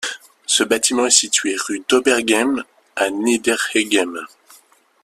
Ce bâtiment est situé rue d'Oberhergheim à Niederhergheim.